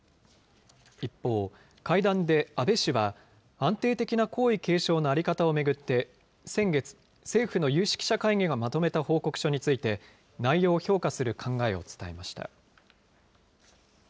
一方、会談で安倍氏は、安定的な皇位継承の在り方を巡って、先月、政府の有識者会議がまとめた報告書について、内容を評価する考えを伝えました。